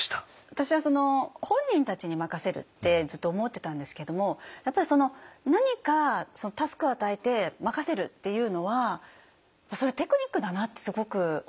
私は本人たちに任せるってずっと思ってたんですけどもやっぱり何かタスクを与えて任せるっていうのはテクニックだなってすごく思いました。